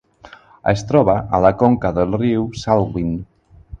Es troba a la conca del riu Salween.